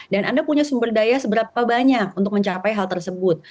dan anda punya sumber daya seberapa banyak untuk mencapai hal tersebut